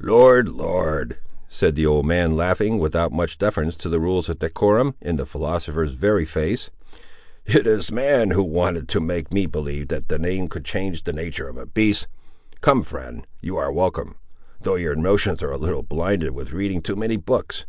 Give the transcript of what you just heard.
"Lord, Lord!" said the old man, laughing, without much deference to the rules of decorum, in the philosopher's very face, "it is the man who wanted to make me believe that a name could change the natur' of a beast! Come, friend; you are welcome, though your notions are a little blinded with reading too many books.